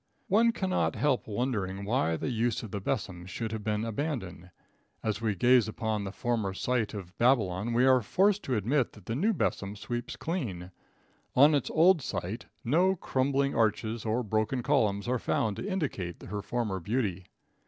One cannot help wondering why the use of the besom should have been abandoned. As we gaze upon the former site of Babylon we are forced to admit that the new besom sweeps clean. On its old site no crumbling arches or broken columns are found to indicate her former beauty.